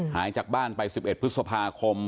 หายจากบ้านไป๑๑พฤษภาคม